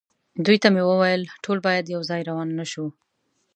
دوی ته مې وویل: ټول باید یو ځای روان نه شو.